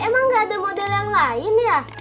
emang gak ada model yang lain ya